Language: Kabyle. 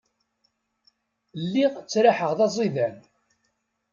Lliɣ ttraḥeɣ d aẓidan.